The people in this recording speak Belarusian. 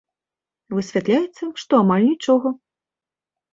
Высвятляецца, што амаль нічога.